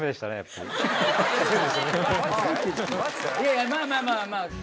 いやいやまあまあまあまあ。